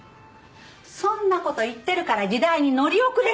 そんなこと言ってるから時代に乗り遅れるのよ。